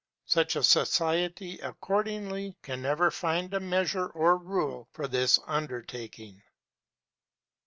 Such a society, accordingly, can never find a measure or rule for this undertaking.